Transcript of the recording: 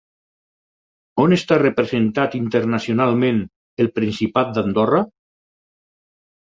On està representat internacionalment el Principat d'Andorra?